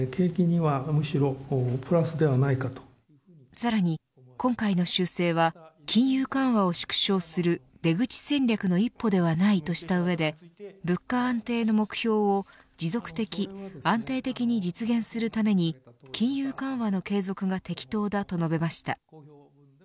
さらに今回の修正は金融緩和を縮小する出口戦略の一歩ではないとした上で物価安定の目標を持続的、安定的に実現するために金融緩和の継続が適当だと述べました。